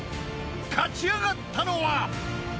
［勝ちあがったのは］